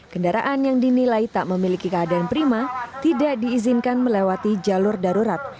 kendaraan yang dinilai tak memiliki keadaan prima tidak diizinkan melewati jalur darurat